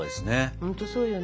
本当そうよね。